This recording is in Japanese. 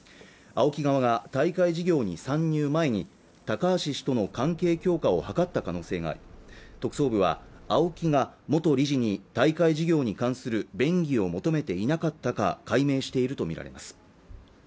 ＡＯＫＩ側が大会事業に参入前に高橋氏との関係強化を図った可能性があり特捜部はＡＯＫＩ側が元理事２大会事業に関する便宜を求めていなかったか解明していると見られます